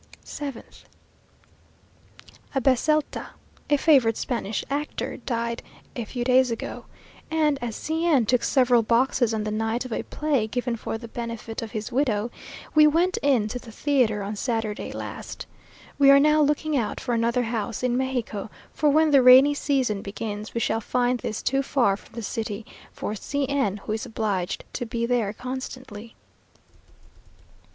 7th Abecilta, a favourite Spanish actor, died a few days ago, and, as C n took several boxes on the night of a play given for the benefit of his widow, we went in to the theatre on Saturday last. We are now looking out for another house in Mexico, for when the rainy season begins we shall find this too far from the city for C n, who is obliged to be there constantly.